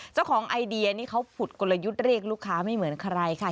เจ้าของไอเดียนี่เขาผุดกลยุทธ์เรียกลูกค้าไม่เหมือนใครค่ะ